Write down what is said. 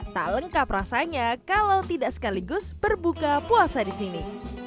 tak lengkap rasanya kalau tidak sekaligus berbuka puasa di sini